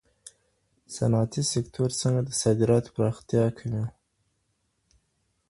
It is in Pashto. صنعتي سکتور څنګه د صادراتو پراختیا کوي؟